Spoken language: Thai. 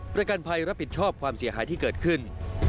ประกันภัยรับผิดชอบความเสียหายที่เกิดขึ้น